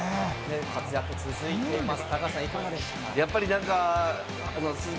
活躍が続いています。